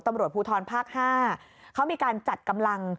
ตำรวจภูทรภาค๕เขามีการจัดกำลัง